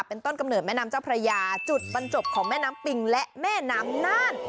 เป็นต้นกำเนิดแม่น้ำเจ้าพระยาจุดบรรจบของแม่น้ำปิงและแม่น้ำน่าน